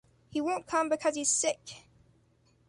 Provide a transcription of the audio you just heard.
He won’t come because he’s sick.